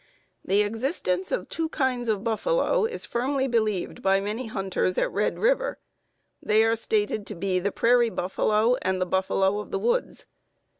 ] "The existence of two kinds of buffalo is firmly believed by many hunters at Red River; they are stated to be the prairie buffalo and the buffalo of the woods.